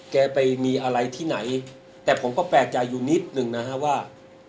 แกไปมีอะไรที่ไหนแต่ผมก็แปลกใจอยู่นิดหนึ่งนะฮะว่า